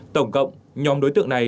tổng cộng nhóm đối tượng này